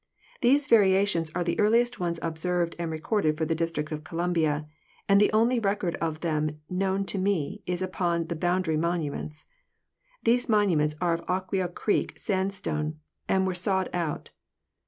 'These variations are the earliest ones observed and recorded for the District of Columbia, and the only record of them known to me is upon these boundary monu ments. These monuments are of Aquia creek sandstone and were sawed out.